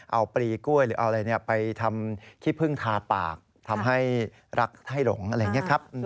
เอาปลีกล้วยหรือเอาอะไรไปทำขี้พึ่งทาปากทำให้รักให้หลงอะไรอย่างนี้ครับ